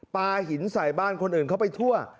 ปลาหินใส่บ้านคนอื่นเข้าไปทั่ว